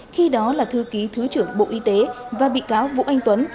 khi đó là thư ký thứ trưởng bộ y tế và bị cáo vũ anh tuấn